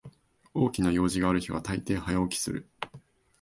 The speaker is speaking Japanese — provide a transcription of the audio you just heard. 大きな用事がある日はたいてい早起きする